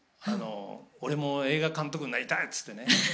俺も「映画監督になりたい！」って言ってね。